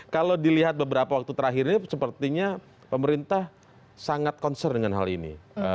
kalau dilihat beberapa waktu terakhir ini sepertinya pemerintah sangat concern dengan hal ini